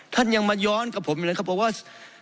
ท่านยังมาย้อนกับผมอยู่เลยครับบอกว่า